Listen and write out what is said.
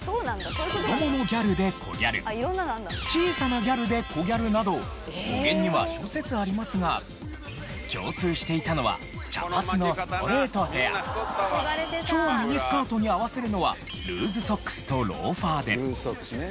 「子どものギャル」でコギャル「小さなギャル」でコギャルなど語源には諸説ありますが共通していたのは超ミニスカートに合わせるのはルーズソックスとローファーで。